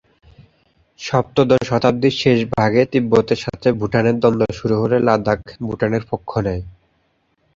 সপ্তদশ শতাব্দীর শেষ ভাগে তিব্বতের সাথে ভুটানের দ্বন্দ্ব শুরু হলে লাদাখ ভুটানের পক্ষ নেয়।